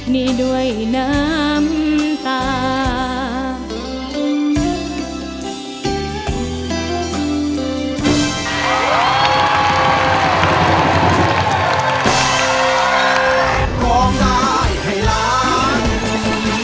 นี่ด้วยน้ำตา